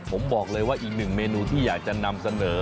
ผมบอกเลยว่าอีกหนึ่งเมนูที่อยากจะนำเสนอ